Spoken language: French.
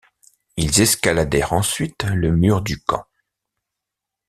Ils escaladèrent ensuite le mur du camp.